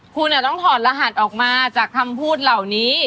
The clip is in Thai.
คุณต้องถอดรหัสออกมาจากคำพูดเหล่านี้